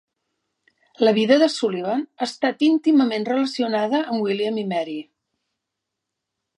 La vida de Sullivan ha estat íntimament relacionada amb William i Mary.